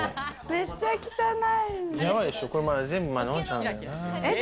めっちゃ汚い。